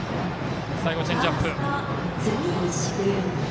最後、チェンジアップ。